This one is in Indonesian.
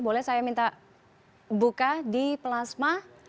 boleh saya minta buka di plasma